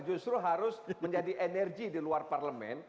justru harus menjadi energi di luar parlemen